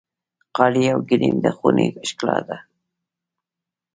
قالي او ګلیم د خونې ښکلا ده.